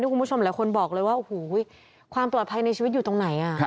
คุณผู้ชมหลายคนบอกเลยว่าโอ้โหความปลอดภัยในชีวิตอยู่ตรงไหน